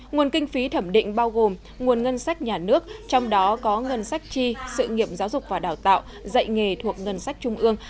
nguồn kinh phí thẩm định bao gồm nguồn ngân sách nhà nước trong đó có ngân sách chi sự nghiệm giáo dục và đào tạo dạy nghề thuộc ngân sách trung ương